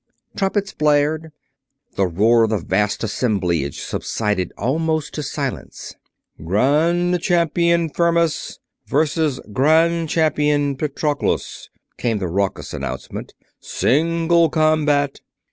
Trumpets blared; the roar of the vast assemblage subsided almost to silence. "Grand Champion Fermius versus Grand Champion Patroclus," came the raucous announcement. "Single combat.